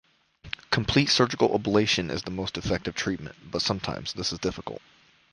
Complete surgical ablation is the most effective treatment, but sometimes this is difficult.